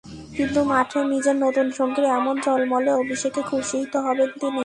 কিন্তু মাঠে নিজের নতুন সঙ্গীর এমন ঝলমলে অভিষেকে খুশিই হবেন তিনি।